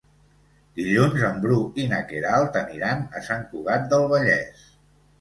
Dilluns en Bru i na Queralt aniran a Sant Cugat del Vallès.